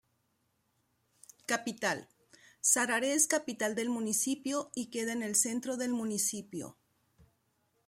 Capital: Sarare es capital del municipio y queda en el centro del municipio.